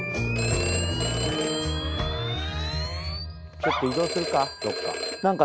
ちょっと移動するかどっか。